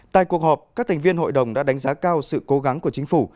tại cuộc họp các thành viên hội đồng đã đánh giá cao sự cố gắng của chính phủ